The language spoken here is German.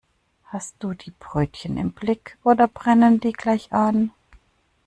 Hast du die Brötchen im Blick oder brennen die gleich an?